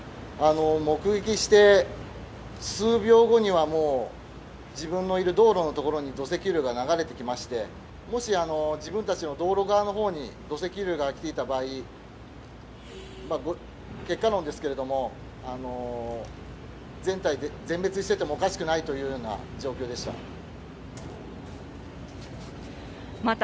目撃して数秒後にはもう、自分のいる道路の所に土石流が流れてきまして、もし、自分たちの道路側のほうに土石流が来ていた場合、結果論ですけれども、全滅しててもおかしくないというような状況でした。